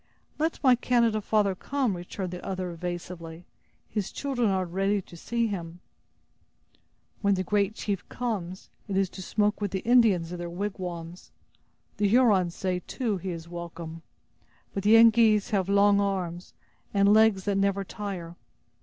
"Let my Canada father come," returned the other, evasively; "his children are ready to see him." "When the great chief comes, it is to smoke with the Indians in their wigwams. The Hurons say, too, he is welcome. But the Yengeese have long arms, and legs that never tire!